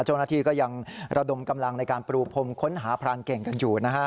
เจ้าหน้าที่ก็ยังระดมกำลังในการปรูพรมค้นหาพรานเก่งกันอยู่นะฮะ